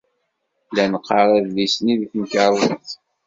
La neqqar adlis-nni deg temkarḍit.